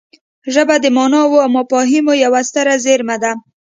ژبه د ماناوو او مفاهیمو یوه ستره زېرمه ده